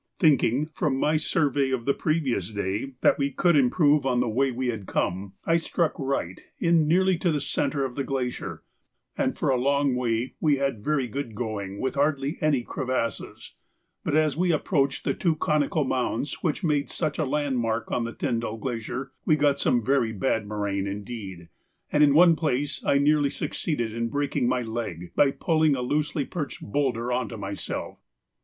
Thinking, from my survey of the previous day, that we could improve on the way we had come, I struck right in nearly to the centre of the glacier, and for a long way we had very good going with hardly any crevasses; but as we approached the two conical mounds which made such a land mark on the Tyndall Glacier, we got some very bad moraine indeed, and in one place I nearly succeeded in breaking my leg by pulling a loosely perched boulder on to myself.